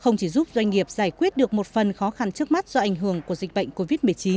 không chỉ giúp doanh nghiệp giải quyết được một phần khó khăn trước mắt do ảnh hưởng của dịch bệnh covid một mươi chín